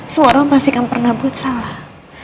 semua orang pasti kan pernah buat salah